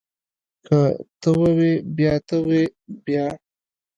ښه ته ووی بيا ته وی بيا.